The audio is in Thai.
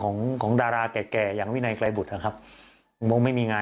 ก็เลยต้องมาไลฟ์ขายของแบบนี้เดี๋ยวดูบรรยากาศกันหน่อยนะคะ